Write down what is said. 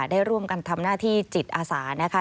ได้ร่วมกันทำหน้าที่จิตอาสานะคะ